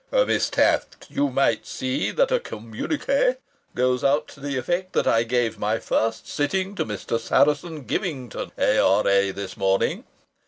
"Miss Taft, you might see that a _communique _ goes out to the effect that I gave my first sitting to Mr. Saracen Givington, A.R.A., this morning.